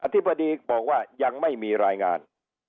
ธิบดีบอกว่ายังไม่มีรายงาน